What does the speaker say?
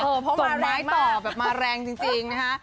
โอ้โหเพราะมาแรงมากส่วนไม้ต่อแบบมาแรงจริงนะคะ